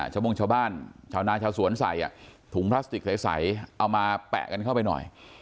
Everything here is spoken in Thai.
โมงชาวบ้านชาวนาชาวสวนใส่ถุงพลาสติกใสเอามาแปะกันเข้าไปหน่อย